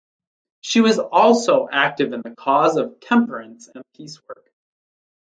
She was also active in the cause of temperance and peace work.